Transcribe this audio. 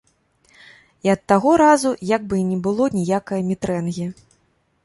І ад таго разу, як бы і не было ніякае мітрэнгі.